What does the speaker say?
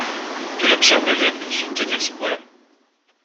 De la pierre meulière pour soutenir ce poids-là…